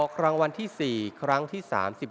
อครั้งวันที่๔ครั้งที่๓๙